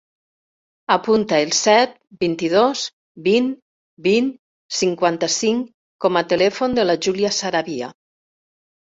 Apunta el set, vint-i-dos, vint, vint, cinquanta-cinc com a telèfon de la Júlia Saravia.